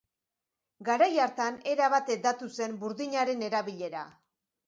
Garai hartan erabat hedatu zen burdinaren erabilera.